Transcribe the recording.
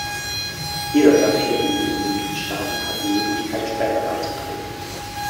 Jeder der vier übrigen Mitgliedstaaten hat die Möglichkeit, später beizutreten.